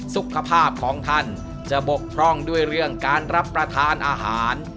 สุขภาพของท่านจะบกพร่องด้วยเรื่องการรับประทานอาหาร